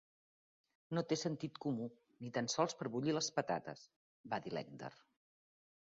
"No té sentit comú, ni tan sols per bullir les patates", va dir l'Edgar.